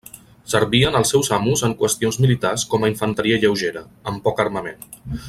Servien als seus amos en qüestions militars com a infanteria lleugera, amb poc armament.